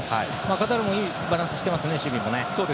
カタールもいいバランスをしてますね、守備。